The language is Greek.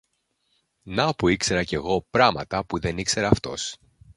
Να που ήξερα κι εγώ πράματα που δεν ήξερε αυτός.